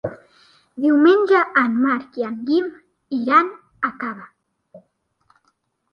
Diumenge en Marc i en Guim iran a Cava.